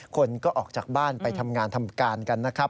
คนก็ออกจากบ้านไปทำงานทำการกันนะครับ